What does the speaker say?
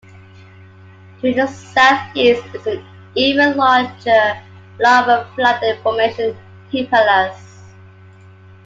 To the southeast is an even larger lava-flooded formation, Hippalus.